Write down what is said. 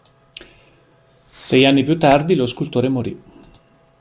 Sei anni più tardi lo scultore morì.